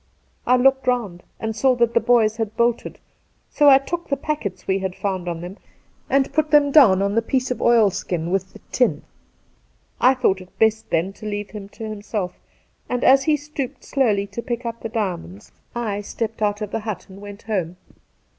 I looked round, and saw that the boys had bolted, so I took the packets we had found on them and put them down on the piece of oilskin with the tin. I thought it best then to leave' him to himself, and as he stooped slowly to pick up the diamonds I stepped put of 2o6 Two Christmas Days the hut and went home.